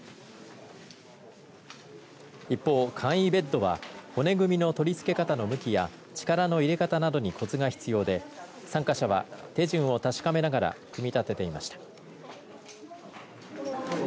一方、簡易ベッドは骨組みの取り付け方の向きや力の入れ方などにコツが必要で参加者は手順を確かめながら組み立てていました。